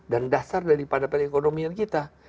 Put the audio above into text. dan dasar dari pendapat ekonominya kita